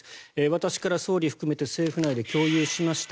私から総理含めて政府内で共有しました。